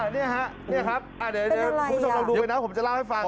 นี่ฮะนี่ครับเดี๋ยวคุณผู้ชมลองดูไปนะผมจะเล่าให้ฟัง